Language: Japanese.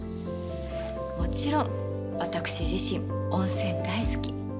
もちろん私自身温泉大好き。